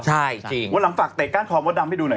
ใช่จริงวันหลังฝักเตะก้านคอมดดำให้ดูหน่อย